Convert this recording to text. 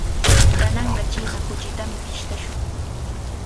Kananqa china kuchitami pishtashun.